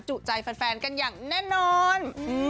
จุใจแฟนกันอย่างแน่นอน